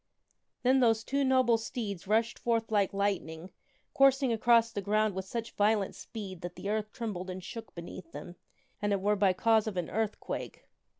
Then those two noble steeds rushed forth like lightning, coursing across the ground with such violent speed that the earth trembled and shook beneath them, an it were by cause of an earthquake.